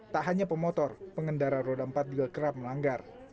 tak hanya pemotor pengendara roda empat juga kerap melanggar